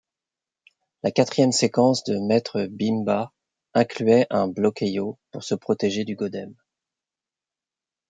La quatrième séquence de Mestre Bimba incluait un bloqueio pour se protéger du godeme.